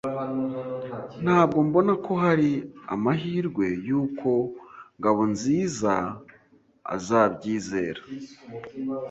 Ntabwo mbona ko hari amahirwe yuko Ngabonzizaazabyizera.